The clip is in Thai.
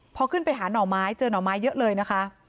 พอขึ้นไปหาหน่อไม้เจอหน่อไม้เยอะเลยนะคะ